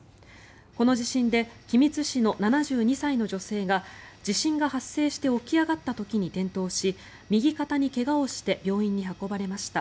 この地震で君津市の７２歳の女性が地震が発生して起き上がった時に転倒し右肩に怪我をして病院に運ばれました。